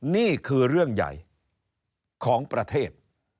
นี่คือเรื่องใหญ่ของประเทศ